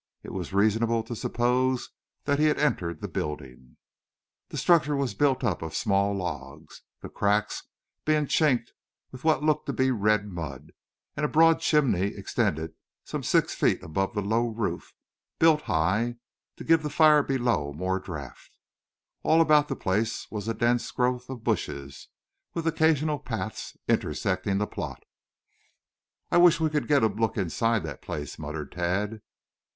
It was reasonable to suppose that he had entered the building. The structure was built up of small logs, the cracks being chinked with what looked to be red mud, and a broad chimney extended some six feet above the low roof, built high to give the fire below more draft. All about the place was a dense growth of bushes, with occasional paths intersecting the plot. "I wish we could get a look inside that place," muttered Tad.